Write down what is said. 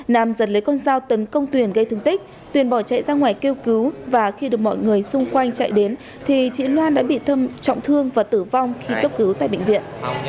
nam giật lấy con dao tấn công tuyền gây thương tích tuyền bỏ chạy ra ngoài kêu cứu và khi được mọi người xung quanh chạy đến thì chị loan đã bị trọng thương và tử vong khi cấp cứu tại bệnh viện